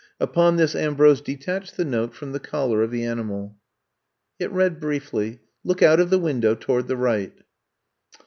Upon this Ambrose de tached the note from the collar of the ani mal. It read briefly, *^Look out of the window toward the right.